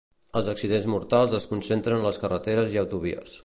Els accidents mortals es concentren a les carreteres i autovies.